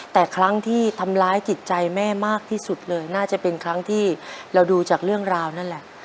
แต่ครั้งที่ทำร้ายจิตใจแม่มากที่สุดเลยน่าจะเป็นครั้งที่เราดูจากเรื่องราวนั่นแหละ